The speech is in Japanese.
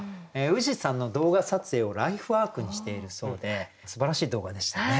富士山の動画撮影をライフワークにしているそうですばらしい動画でしたよね。